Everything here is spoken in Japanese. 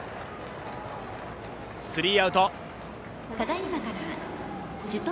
スリーアウト。